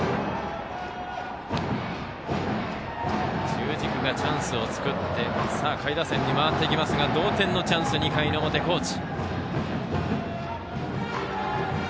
中軸がチャンスを作って下位打線に回っていきますが同点のチャンスの２回表、高知。